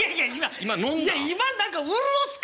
今の何か潤す感